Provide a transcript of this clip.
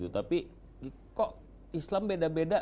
tapi kok islam beda beda